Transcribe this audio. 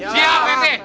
siap pak ranti